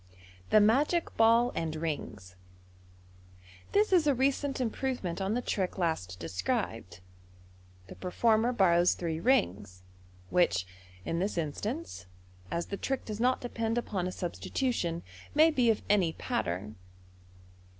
The Magic Ball and Rings. — This is a recent improvement on the trick last described. The performer borrows three rings, which in this instance, as the trick does not depend upon a substitution, may be of any pattern.